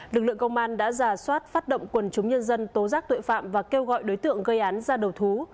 lực lượng công an đã giả soát phát động quần chúng nhân dân tố giác tội phạm và kêu gọi đối tượng gây án ra đầu thú